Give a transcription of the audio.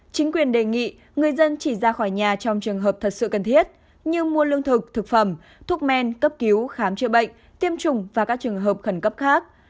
chính quyền đề nghị người dân chỉ ra khỏi nhà trong trường hợp thật sự cần thiết như mua lương thực thực phẩm thuốc men cấp cứu khám chữa bệnh tiêm chủng và các trường hợp khẩn cấp khác